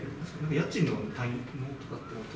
家賃の滞納とかっていうのは。